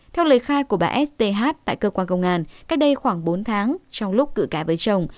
theo lời khai của bà s t h tại cơ quan công an cách đây khoảng bốn tháng trong lúc cử cãi với chồng